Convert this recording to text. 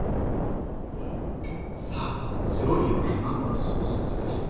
さあいよいよ卵のソースづくり。